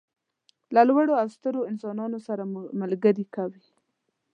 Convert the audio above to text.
له لوړو او سترو انسانانو سره مو ملګري کوي.